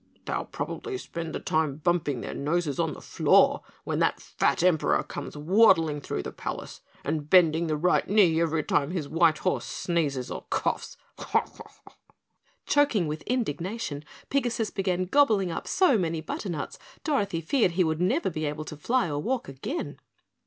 "They'll probably spend the time bumping their noses on the floor when that fat Emperor comes waddling through the palace, and bending the right knee every time his white horse sneezes or coughs. Pah!" Choking with indignation, Pigasus began gobbling up so many butternuts, Dorothy feared he would never be able to fly or walk again.